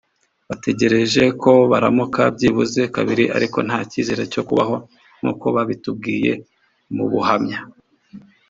bategereje ko baramuka byibuze kabiri ariko nta cyizere cyo kubaho nk’uko babitubwiye mu buhamya